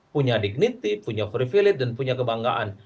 punya dignity punya privilege dan punya kebanggaan